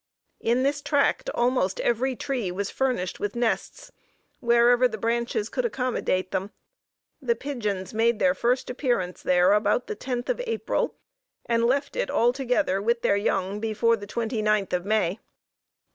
In this tract almost every tree was furnished with nests, wherever the branches could accommodate them. The pigeons made their first appearance there about the 10th of April, and left it altogether, with their young, before the 29th of May.